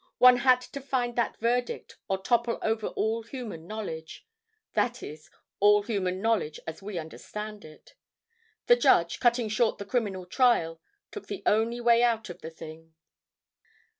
One had to find that verdict or topple over all human knowledge—that is, all human knowledge as we understand it. The judge, cutting short the criminal trial, took the only way out of the thing.